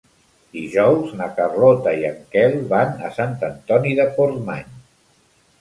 Dijous na Carlota i en Quel van a Sant Antoni de Portmany.